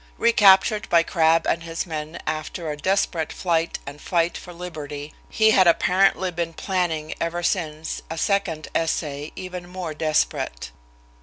Recaptured by Crabb and his men after a desperate flight and fight for liberty, he had apparently been planning ever since a second essay even more desperate.